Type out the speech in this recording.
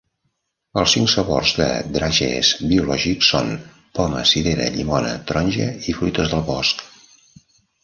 Els cinc sabors de dragees biològics són poma, cirera, llimona, taronja i fruites del bosc.